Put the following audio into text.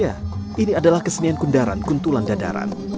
ya ini adalah kesenian kundaran kuntulan dadaran